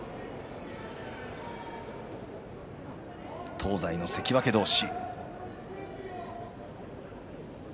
東西の関脇同士。